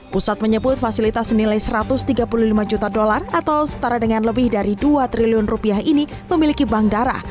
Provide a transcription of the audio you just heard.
pusat menyebut fasilitas senilai satu ratus tiga puluh lima juta dolar atau setara dengan lebih dari dua triliun rupiah ini memiliki bank darah